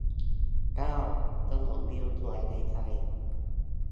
เก้า ถนนวิวสวยในไทย